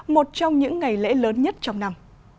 một trong những ngày lễ lớn nhất trong năm